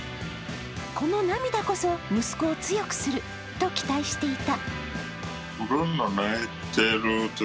この涙こそ息子を強くすると期待していた。